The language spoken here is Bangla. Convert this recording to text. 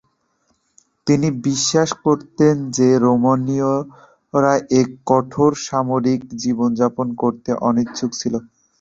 তিনি বিশ্বাস করতেন যে, রোমীয়রা এক কঠোর, সামরিক জীবনযাপন করতে অনিচ্ছুক ছিল।